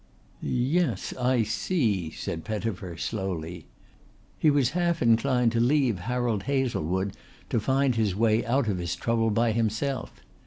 "Yes, I see," said Pettifer slowly. He was half inclined to leave Harold Hazlewood to find his way out of his trouble by himself.